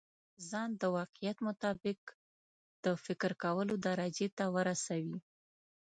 ځان د واقعيت مطابق د فکر کولو درجې ته ورسوي.